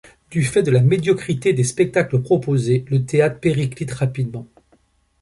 Du fait de la médiocrité des spectacles proposés, le théâtre périclite rapidement.